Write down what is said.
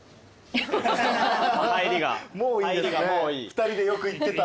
２人でよく行ってた？